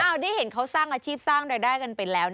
เอาได้เห็นเขาสร้างอาชีพสร้างรายได้กันไปแล้วนะ